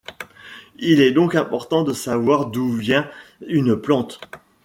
Il est donc important de savoir d'où vient une plante.